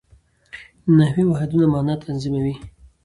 نحوي واحدونه مانا تنظیموي.